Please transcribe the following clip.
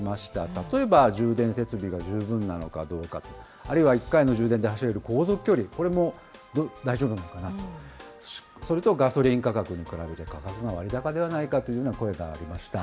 例えば充電設備が十分なのかどうかと、あるいは１回の充電で走れる航続距離、これも大丈夫なのかなと、それとガソリン価格に比べて価格が割高ではないかという声がありました。